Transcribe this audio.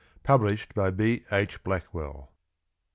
Published by B. II Blackwell.